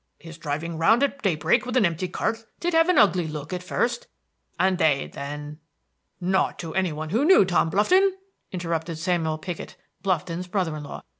"His driving round at daybreak with an empty cart did have an ugly look at first." "Indade, then." "Not to anybody who knew Tom Blufton," interrupted Samuel Piggott, Blufton's brother in law.